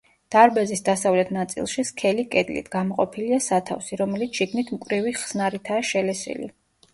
დარბაზის დასავლეთ ნაწილში სქელი კედლით, გამოყოფილია სათავსი, რომელიც შიგნით მკვრივი ხსნარითაა შელესილი.